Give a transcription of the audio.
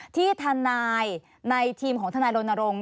ที่ทนายในทีมของทนายรณรงค์